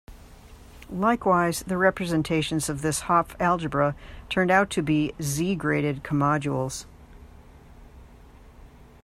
Likewise the representations of this Hopf algebra turn out to be Z-graded comodules.